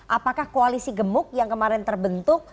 apakah koalisi gemuk yang kemarin terbentuk